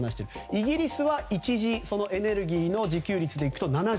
イギリスは一時エネルギーの自給率では７５％